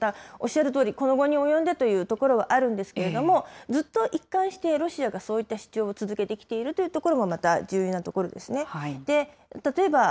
だから、おっしゃるとおり、この期に及んでというところはあるんですけれども、ずっと一貫してロシアがそういった主張を続けてきているというところも、また重要なところですね。